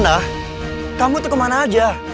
nah kamu tuh kemana aja